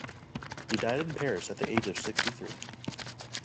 He died in Paris at the age of sixty three.